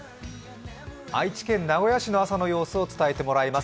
愛知県名古屋市の朝の様子を伝えてもらいます。